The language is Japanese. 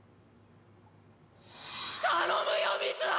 頼むよ水原！